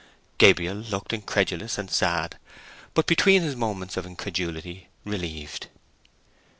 Gabriel looked incredulous and sad, but between his moments of incredulity, relieved.